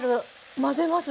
混ぜます